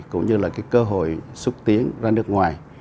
cũng như là cái cơ hội xúc tiến ra nước ngoài